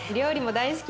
大好き。